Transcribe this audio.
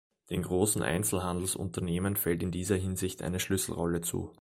Den großen Einzelhandelsunternehmen fällt in dieser Hinsicht eine Schlüsselrolle zu.